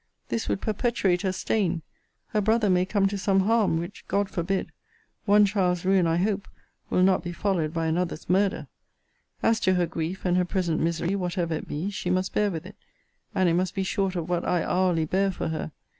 This would perpetuate her stain. Her brother may come to some harm; which God forbid! One child's ruin, I hope, will not be followed by another's murder! As to her grief, and her present misery, whatever it be, she must bear with it; and it must be short of what I hourly bear for her!